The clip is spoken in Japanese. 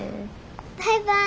バイバーイ。